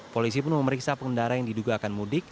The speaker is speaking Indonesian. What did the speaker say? polisi pun memeriksa pengendara yang diduga akan mudik